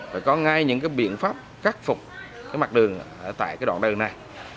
phải có ngay những biện pháp cắt phục mặt đường tại đoạn đường này